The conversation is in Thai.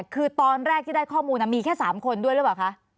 คือตอนแรกที่ได้ข้อมูลมีแค่๓คนด้วยหรือเปล่าคะ